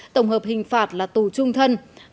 tổng hợp hình phạt là tù trung thân